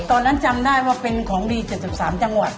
จำได้ว่าเป็นของดี๗๓จังหวัด